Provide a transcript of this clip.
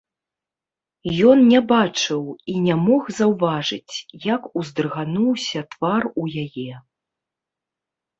Ён не бачыў і не мог заўважыць, як уздрыгануўся твар у яе.